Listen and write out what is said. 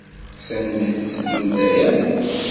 S anda i tetteddu Lezzayer?